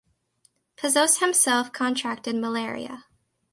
Passos himself contracted malaria.